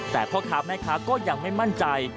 แต่พ่อค้าแม่ค้าก็ยังไม่มั่นใจ